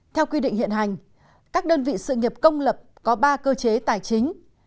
theo quy định hiện hành các đơn vị sự nghiệp công lập có ba cơ chế tài chính